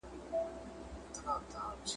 په کور کي د ناروغیو مخه نیول کیږي.